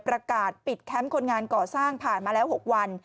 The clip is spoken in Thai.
ประกาศปิดแคมป์คนงานก่อสร้างผ่านมาแล้ว๖วัน